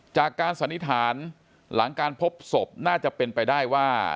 จากการสนิทานหลังการพบศพน่าจะเป็นไปได้ว่า